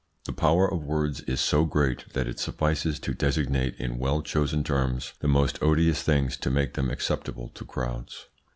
The power of words is so great that it suffices to designate in well chosen terms the most odious things to make them acceptable to crowds.